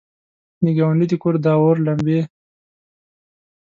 د ګاونډي د کور، داور لمبې!